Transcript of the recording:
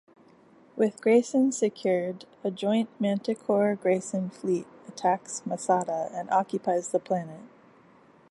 With Grayson secured, a joint Manticore-Grayson fleet attacks Masada and occupies the planet.